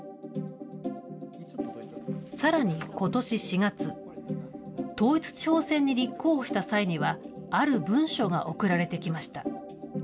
さらにことし４月、統一地方選に立候補した際には、ある文書が送られてきました。